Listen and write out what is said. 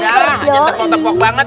sekarang aja tekot tekot banget